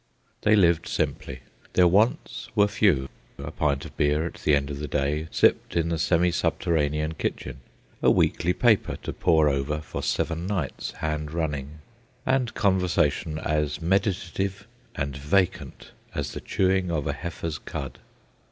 They lived simply. Their wants were few—a pint of beer at the end of the day, sipped in the semi subterranean kitchen, a weekly paper to pore over for seven nights hand running, and conversation as meditative and vacant as the chewing of a heifer's cud.